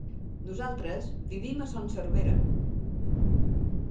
Nosaltres vivim a Son Servera.